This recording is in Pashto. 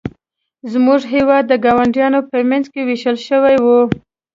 زموږ هېواد د ګاونډیو په منځ کې ویشل شوی و.